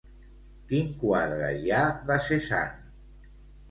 Quin quadre hi ha de Cézanne?